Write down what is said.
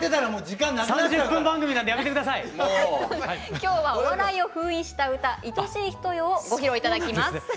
今日はお笑いを封印した歌「愛しい人よ」をご披露頂きます。